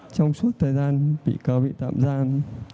trong suốt thời gian bị cáo bị tạm gian